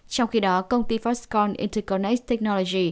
trong khi đó công ty foxconn interconnect